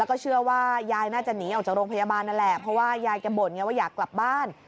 ก็เชื่อว่ายายน่าจะหนีออกจากโรงพยาบาลนั่นแหละเพราะว่ายายแกบ่นไงว่าอยากกลับบ้าน